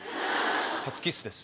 初キッスです。